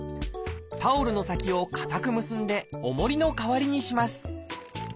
タオルの先を固く結んでおもりの代わりにします